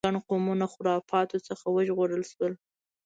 ګڼ قومونه خرافاتو څخه وژغورل شول.